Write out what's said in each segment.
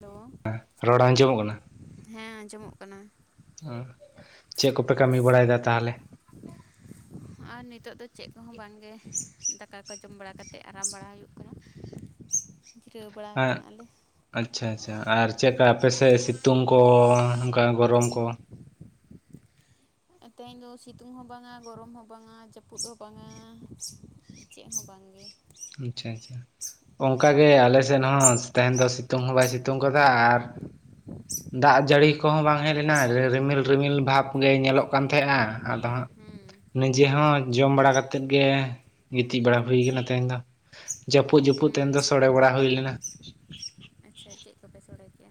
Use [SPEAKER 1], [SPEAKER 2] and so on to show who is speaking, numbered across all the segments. [SPEAKER 1] Hello
[SPEAKER 2] ᱟᱦ ᱨᱚᱲ ᱟᱸᱡᱚᱢᱚᱜ ᱠᱟᱱᱟ
[SPEAKER 1] ᱦᱮᱸ ᱟᱸᱡᱚᱢᱚᱜ ᱠᱟᱱᱟ
[SPEAKER 2] ᱪᱮᱜ ᱠᱚᱯᱮ ᱠᱟᱹᱢᱤ ᱵᱟᱲᱟᱭᱮᱫᱟ ᱛᱟᱦᱚᱞᱮ
[SPEAKER 1] ᱟᱨ ᱱᱤᱛᱚᱜ ᱫᱚ ᱪᱮᱫ ᱠᱚᱦᱚᱸ ᱵᱟᱝᱜᱮ ᱫᱟᱠᱟ ᱠᱚ ᱡᱚᱢ ᱵᱟᱲᱟ ᱠᱟᱛᱮᱫ ᱟᱨᱟᱢ ᱵᱟᱲᱟ ᱦᱩᱭᱩᱜ ᱠᱟᱱᱟ
[SPEAKER 2] [inaudible]
[SPEAKER 1] ᱡᱤᱨᱟᱹᱣ ᱵᱟᱲᱟ
[SPEAKER 2] ᱦᱮᱸ
[SPEAKER 1] ᱟᱠᱟᱱᱟᱞᱮ
[SPEAKER 2] ᱟᱪᱪᱷᱟ ᱟᱪᱪᱷᱟ ᱟᱨ ᱪᱮᱫᱠᱟ ᱟᱯᱮᱥᱮᱡ ᱥᱤᱛᱩᱝ ᱠᱚ ᱚᱝᱠᱟ ᱜᱚᱨᱚᱢ ᱠᱚ
[SPEAKER 1] ᱛᱮᱦᱮᱧ ᱫᱚ ᱥᱤᱛᱩᱝ ᱦᱚᱸ ᱵᱟᱝᱟ ᱜᱚᱨᱚᱢ ᱦᱚᱸ ᱵᱟᱝᱟ ᱡᱟᱹᱯᱩᱫ ᱦᱚᱸ ᱵᱟᱝᱟ ᱪᱮᱜ ᱦᱚᱸ ᱵᱟᱝᱜᱮ
[SPEAKER 2] ᱟᱪᱪᱷᱟ ᱟᱪᱪᱷᱟ ᱚᱝᱠᱟ ᱜᱮ ᱟᱞᱮᱥᱮᱫ ᱦᱚᱸ ᱛᱮᱦᱮᱱ ᱫᱚ ᱥᱤᱛᱩᱝ ᱦᱚᱸ ᱵᱟᱭ ᱥᱤᱛᱩᱝ ᱠᱟᱫᱟ ᱟᱨ
[SPEAKER 1] [inaudible]
[SPEAKER 2] ᱫᱟᱜ ᱡᱟᱹᱲᱤ ᱠᱚᱦᱚᱸ ᱵᱟᱝ ᱦᱮᱡ ᱞᱮᱱᱟ ᱨᱤᱢᱤᱞ ᱨᱤᱢᱤᱞ ᱵᱷᱟᱵᱽ ᱜᱮ ᱧᱮᱞᱚᱜ ᱠᱟᱱ ᱛᱮᱦᱮᱸᱜ-ᱟ ᱟᱫᱚ ᱦᱟᱸᱜ
[SPEAKER 1] ᱦᱩᱸ
[SPEAKER 2] ᱱᱤᱡᱮ ᱦᱚᱸ ᱡᱚᱢ ᱵᱟᱲᱟ ᱠᱟᱛᱮᱫ ᱜᱮ ᱜᱤᱛᱤᱡ ᱵᱟᱲᱟ ᱦᱩᱭ ᱟᱠᱟᱱᱟ ᱛᱮᱦᱮᱧ ᱫᱚ ᱡᱟᱹᱯᱩᱫ ᱡᱟᱹᱯᱩᱫ
[SPEAKER 1] ᱦᱩᱸ
[SPEAKER 2] ᱛᱮᱦᱮᱱ ᱫᱚ ᱥᱚᱲᱮ ᱵᱟᱲᱟ ᱦᱩᱭ ᱞᱮᱱᱟ
[SPEAKER 1] ᱟᱪᱪᱷᱟ ᱪᱮᱜ ᱠᱚᱯᱮ ᱥᱚᱲᱮ ᱠᱮᱜᱼᱟ